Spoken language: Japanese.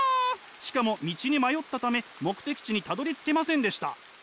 しかも道に迷ったため目的地にたどりつけませんでした。